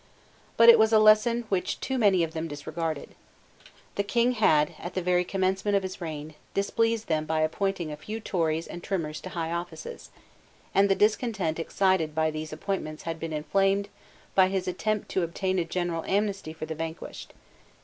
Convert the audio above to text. But it was a lesson which too many of them disregarded. The King had, at the very commencement of his reign, displeased them by appointing a few Tories and Trimmers to high offices; and the discontent excited by these appointments had been inflamed by his attempt to obtain a general amnesty for the vanquished.